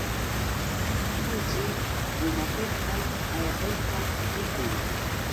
Kuchi pumapiqta ayqishpam rikun.